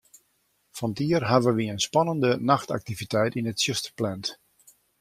Fan 't jier hawwe wy in spannende nachtaktiviteit yn it tsjuster pland.